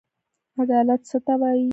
عدالت څه ته وايي.